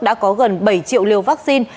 đã có gần bảy triệu liều vaccine